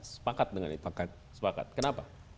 sepakat dengan itu sepakat kenapa